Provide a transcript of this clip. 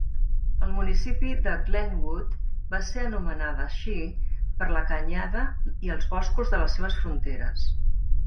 El municipi de Glenwood va ser anomenada així per la canyada i els boscos de les seves fronteres.